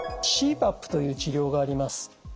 ＣＰＡＰという治療があります。